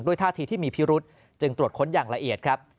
ท่าทีที่มีพิรุษจึงตรวจค้นอย่างละเอียดครับ